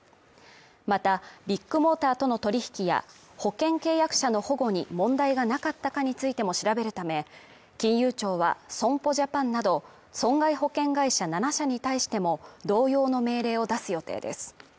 またビッグモーターとの取引や保険契約者の保護に問題がなかったかについても調べるため金融庁は損保ジャパンなど損害保険会社７社に対しても同様の命令を出す予定です